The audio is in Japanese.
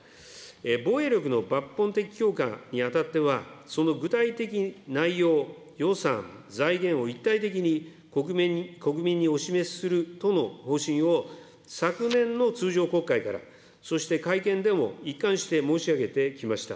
防衛力の抜本的強化にあたっては、その具体的内容、予算、財源を一体的に国民にお示しするとの方針を、昨年の通常国会から、そして会見でも一貫して申し上げてきました。